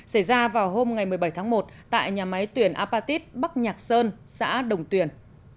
xảy ra vào hôm ngày một mươi bảy tháng một tại nhà máy tuyển apatit bắc nhạc sơn xã đồng tuyển